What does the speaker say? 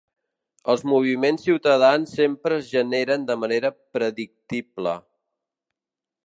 Els moviments ciutadans sempre es generen de manera predictible.